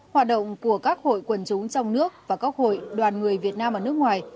hoạt động của các hội quần chúng trong nước và các hội đoàn người việt nam ở nước ngoài